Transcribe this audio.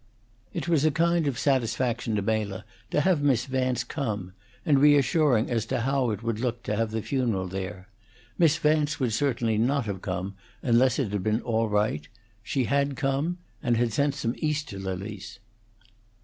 It was a kind of satisfaction to Mela to have Miss Vance come, and reassuring as to how it would look to have the funeral there; Miss Vance would certainly not have come unless it had been all right; she had come, and had sent some Easter lilies.